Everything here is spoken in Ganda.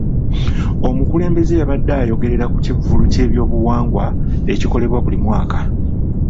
Omukulembeze yabadde ayogerera ku kivvulu ky'ebyobuwangwa ekikolebwa buli mwaka.